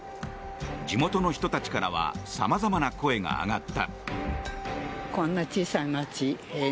地元の人たちからは様々な声が上がった。